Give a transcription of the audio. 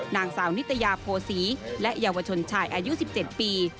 นางสาวนิตยาโพศีและเยาวชนชายอายุ๑๗ปี